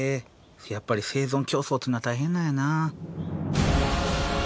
やっぱり生存競争ってのは大変なんやな。